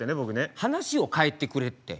話を変えてくれって。